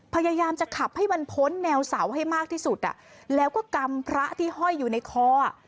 พยายามจะขับให้มันพ้นแนวเสาให้มากที่สุดอ่ะแล้วก็กำพระที่ห้อยอยู่ในคออ่ะ